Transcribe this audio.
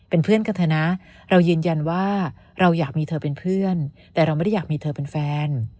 เป็นเพื่อนกันเถอะนะเรายืนยันว่าเราอยากมีเธอเป็นเพื่อนแต่เราไม่ได้อยากมีเธอเป็นแฟน